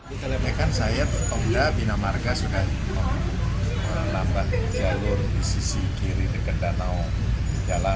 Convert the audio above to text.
ini kan saya pemuda bina marga sudah melambat jalur di sisi kiri dekat danau jalan